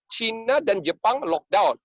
china dan jepang lockdown